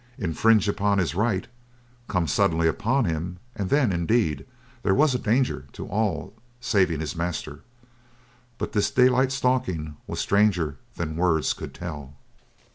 Infringe upon his right, come suddenly upon him, and then, indeed, there was a danger to all saving his master. But this daylight stalking was stranger than words could tell.